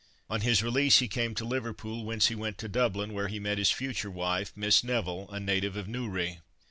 On his release he came to Liverpool, whence he went to Dublin, where he met his future wife, Miss Neville, a native of Newry.